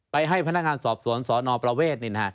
ไปให้พนักงานสอบสวนสนประเวทเนี่ยนะฮะ